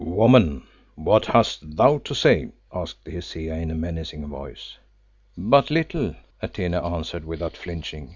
"Woman, what hast thou to say?" asked the Hesea in a menacing voice. "But little," Atene answered, without flinching.